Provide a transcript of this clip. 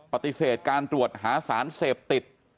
ปฏิเสธการตรวจหาสารเสพติด